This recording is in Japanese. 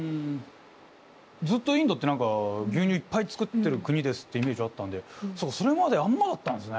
ずっとインドって何か牛乳いっぱい作ってる国ですってイメージあったんでそうかそれまであんまだったんですね。